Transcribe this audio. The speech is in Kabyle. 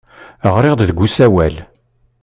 Ɣriɣ-d deg usawal.